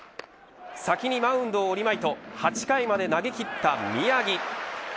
先にマウンドを降りまいと８回まで投げ切った宮城。